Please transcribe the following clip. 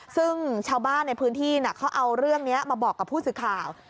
ซึ่งชาวบ้านในพื้นที่เขาเอาเรื่องนี้มาบอกกับผู้สื่อข่าว